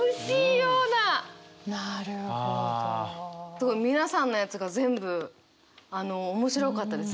すごい皆さんのやつが全部あの面白かったです。